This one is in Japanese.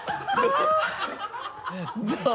どう？